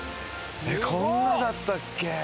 こんなだったっけ？